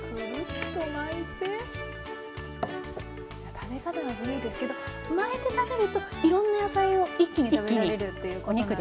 食べ方は自由ですけど巻いて食べるといろんな野菜を一気に食べられるっていうことなんですね。